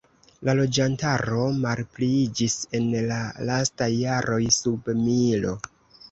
La loĝantaro malpliiĝis en la lastaj jaroj sub milo.